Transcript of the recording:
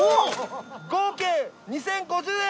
合計２，０５０円！